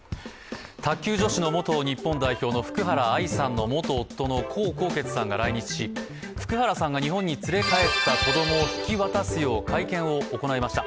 卓球女子の元日本代表の福原愛さんの元夫の江宏傑さんが来日し福原さんが日本に連れ帰った子供を引き渡すよう会見を行いました。